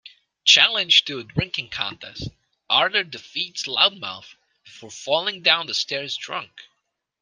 Challenged to a drinking contest, Arthur defeats "Loudmouth" before falling down the stairs drunk.